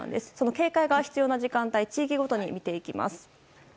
警戒が必要な時間帯を地域ごとに見ていきます。